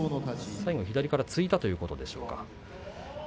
最後、左から突いたということでしょうか。